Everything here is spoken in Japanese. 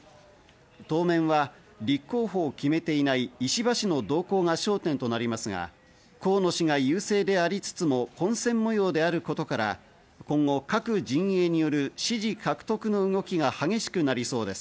当面は立候補を決めていない石破氏の動向が焦点となりますが、河野氏が優勢でありつつも混戦模様であることから、今後、各陣営による支持獲得の動きが激しくなりそうです。